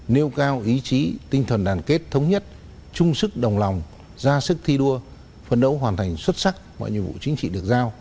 nêu cao ý chí tinh thần đàn kết thống nhất trung sức đồng lòng ra sức thi đua phấn đấu hoàn thành xuất sắc mọi nhiệm vụ chính trị được giao